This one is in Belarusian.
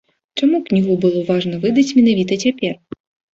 Чаму кнігу было важна выдаць менавіта цяпер?